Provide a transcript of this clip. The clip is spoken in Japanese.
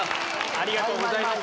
ありがとうございます。